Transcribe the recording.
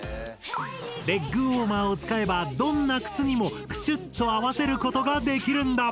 レッグウォーマーを使えばどんな靴にもクシュっと合わせることができるんだ。